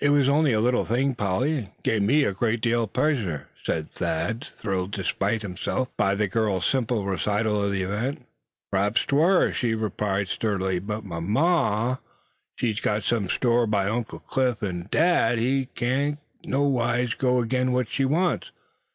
"It was only a little thing, Polly, and gave me a great deal of pleasure," said Thad, thrilled despite himself by the girl's simple recital of the event. "P'raps 'twar," she replied, sturdily; "but my maw, she sots some store by Uncle Cliff; an' dad, he cain't nowise go agin wot she wants.